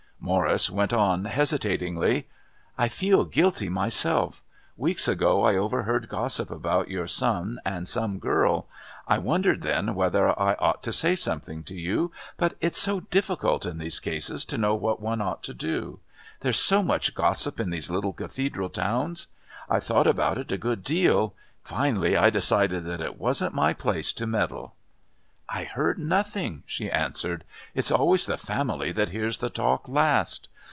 Morris went on hesitatingly. "I feel guilty myself. Weeks ago I overheard gossip about your son and some girl. I wondered then whether I ought to say something to you. But it's so difficult in these cases to know what one ought to do. There's so much gossip in these little Cathedral towns. I thought about it a good deal. Finally, I decided that it wasn't my place to meddle." "I heard nothing," she answered. "It's always the family that hears the talk last.